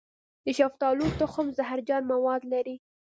د شفتالو تخم زهرجن مواد لري.